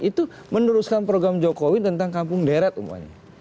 itu meneruskan program jokowi tentang kampung deret umpamanya